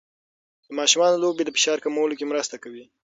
د ماشومانو لوبې د فشار کمولو کې مرسته کوي.